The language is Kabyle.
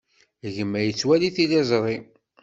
Gma yettwali tiliẓri.